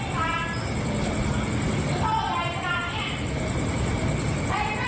สะพ้ายเลยได้รึ